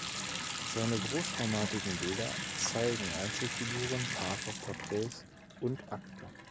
Seine großformatigen Bilder zeigen Einzelfiguren, Paare, Porträts und Akte.